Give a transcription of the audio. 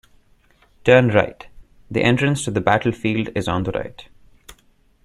Turn right; the entrance to the battlefield is on the right.